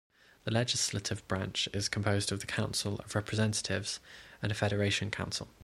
The legislative branch is composed of the Council of Representatives and a Federation Council.